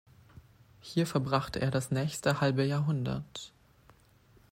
Hier verbrachte er das nächste halbe Jahrhundert.